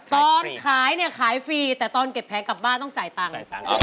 ตอนขายเนี่ยขายฟรีแต่ตอนเก็บแผงกลับบ้านต้องจ่ายตังค์